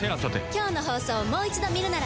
今日の放送をもう一度見るなら。